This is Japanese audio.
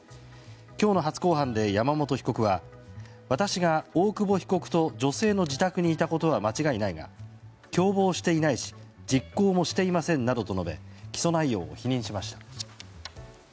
今日の初公判で山本被告は私が大久保被告と女性の自宅にいたことは間違いないが共謀していないし実行もしていませんなどと述べ起訴内容を否認しました。